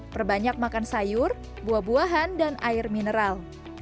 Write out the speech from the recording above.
perbanyak makan sayur buah buahan dan air mineral